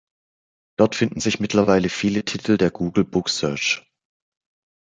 Dort finden sich mittlerweile viele Titel der Google Book Search.